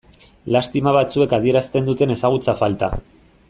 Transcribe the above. Lastima batzuek adierazten duten ezagutza falta.